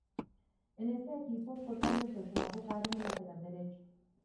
En este equipo fue cuando empezó a jugar en el lateral derecho.